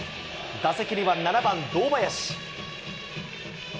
打席には７番堂林。